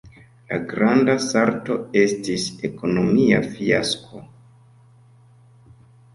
La Granda Salto estis ekonomia fiasko.